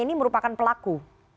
ini merupakan pelaku